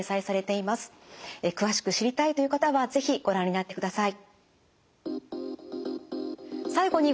詳しく知りたいという方は是非ご覧になってください。